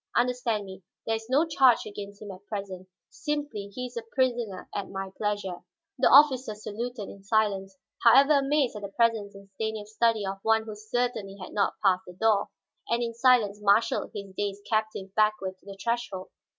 Understand me; there is no charge against him at present; simply he is a prisoner at my pleasure." The officer saluted in silence, however amazed at the presence in Stanief's study of one who certainly had not passed the door, and in silence marshaled his dazed captive backward to the threshold.